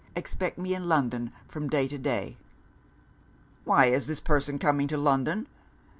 Expect me in London from day to day." "Why is this person coming to London?"